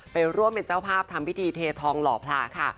ไปร่วมเป็นเจ้าภาพทำพิธีเททองหล่อพลาค่ะ